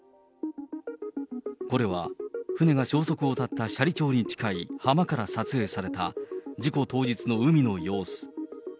これは、船が消息を絶った斜里町に近い浜から撮影された、事故当日の海の様子。